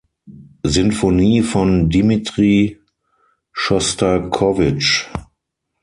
Sinfonie von Dmitri Schostakowitsch.